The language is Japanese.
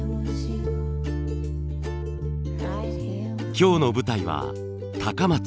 今日の舞台は高松。